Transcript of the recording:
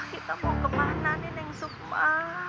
kita mau kemana nenek sukma